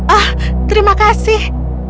ah terima kasih